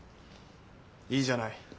いいじゃない。